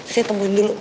saya temuin dulu